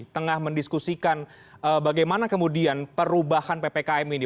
tengah mendiskusikan bagaimana kemudian perubahan ppkm ini